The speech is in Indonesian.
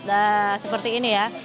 nah seperti ini ya